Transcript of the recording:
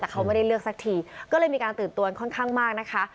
แต่เขาไม่ได้เลือกสักทีก็เลยมีการตื่นตัวค่อนข้างมากนะคะ